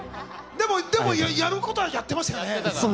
でも、やることはやってましたからね。